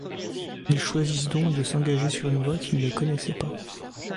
Ils choisissent donc de s'engager sur une voie qu'ils ne connaissent pas.